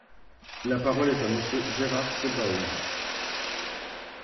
La parole est à Monsieur Gérard Sebaoun.